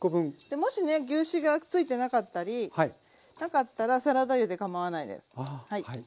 もしね牛脂がついてなかったりなかったらサラダ油でかまわないです。